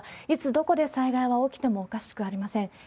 いつどこで災害は起きてもおかしくありません。